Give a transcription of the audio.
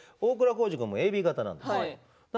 孝二君もＡＢ型なんです。